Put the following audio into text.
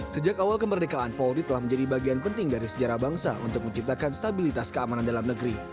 sejak awal kemerdekaan polri telah menjadi bagian penting dari sejarah bangsa untuk menciptakan stabilitas keamanan dalam negeri